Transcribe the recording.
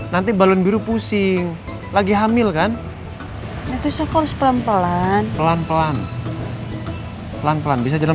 nanti balon biru pusing lagi hamil kan itu saya harus pelan pelan pelan pelan pelan pelan bisa jalan